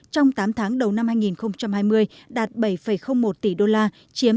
trong tám tháng đầu năm hai nghìn hai mươi đạt bảy một tỷ usd chiếm tám mươi chín bốn giá trị xuất khẩu